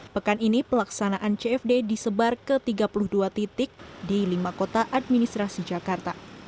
pekan ini pelaksanaan cfd disebar ke tiga puluh dua titik di lima kota administrasi jakarta